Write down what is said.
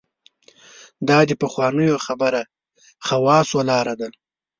دا د پخوانو خبره خواصو لاره ده.